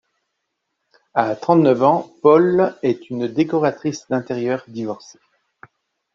À trente-neuf ans, Paule est une décoratrice d'intérieur divorcée.